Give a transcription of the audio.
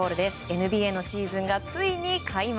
ＮＢＡのシーズンがついに開幕。